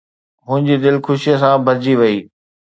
منهنجي دل خوشيءَ سان ڀرجي وئي